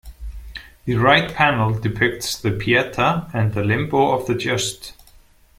The right panel depicts the Pietà and the Limbo of the Just.